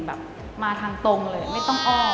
แบบมาทางตรงเลยไม่ต้องอ้อม